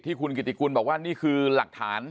คุณกิติกุลบอกว่านี่คือหลักฐาน